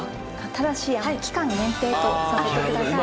ただし期間限定とさせてください。